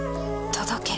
届け。